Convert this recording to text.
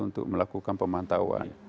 untuk melakukan pemantauan